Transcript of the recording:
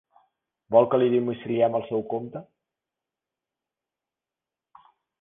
Vol que li domiciliem al seu compte?